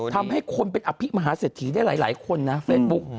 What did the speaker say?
ทำให้คนเป็นอภิมหาเศรษฐีได้หลายคนนะเฟซบุ๊ก